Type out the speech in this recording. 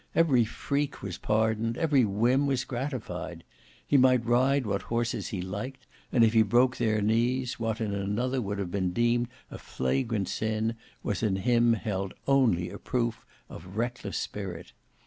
Every freak was pardoned, every whim was gratified. He might ride what horses he liked, and if he broke their knees, what in another would have been deemed a flagrant sin, was in him held only a proof of reckless spirit.